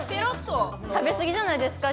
食べ過ぎじゃないですか。